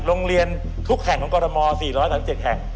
โรงเรียนทุกแห่งของกรม๔๓๗แห่ง